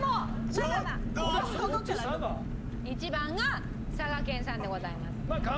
１番が佐賀県産でございます。